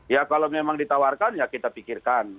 ya kalau memang ditawarkan ya kita pikirkan